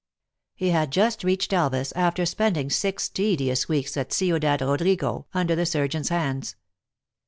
He had just reached Elvas, after spending six te dious weeks at Ciudad Rodrigo, under the surgeon s hands.